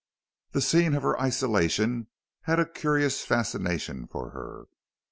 The scene of her isolation had a curious fascination for her.